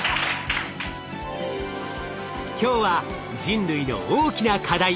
今日は人類の大きな課題